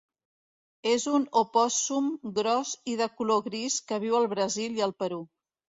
És un opòssum gros i de color gris que viu al Brasil i el Perú.